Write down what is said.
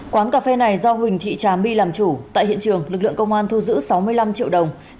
quán cà phê này do huỳnh thị trà my làm chủ tại hiện trường lực lượng công an thu giữ sáu mươi năm triệu đồng